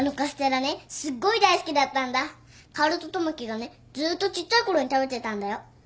薫と友樹がねずっとちっちゃいころに食べてたんだよ。